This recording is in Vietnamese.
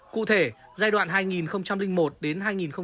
cụ thể giai đoạn hai nghìn một đến hai nghìn năm